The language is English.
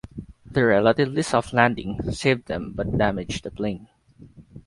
The relatively soft landing saved them but damaged the plane.